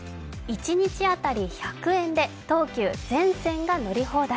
一日当たり１００円で東急全線が乗り放題。